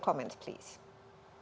komentar anda silakan